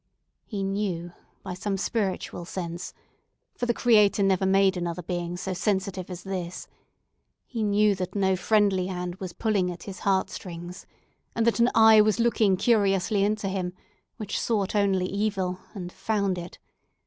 He knew, by some spiritual sense—for the Creator never made another being so sensitive as this—he knew that no friendly hand was pulling at his heartstrings, and that an eye was looking curiously into him, which sought only evil, and found it.